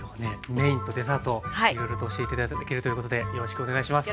メインとデザートいろいろと教えて頂けるということでよろしくお願いします。